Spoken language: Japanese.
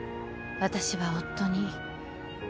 私は夫に